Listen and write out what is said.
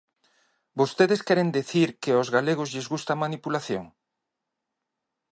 ¿Vostedes queren dicir que aos galegos lles gusta a manipulación?